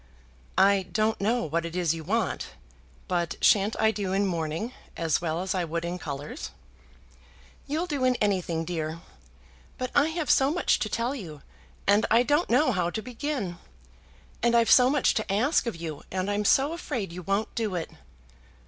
"I don't know what it is you want, but shan't I do in mourning as well as I would in colours?" "You'll do in anything, dear. But I have so much to tell you, and I don't know how to begin. And I've so much to ask of you, and I'm so afraid you won't do it."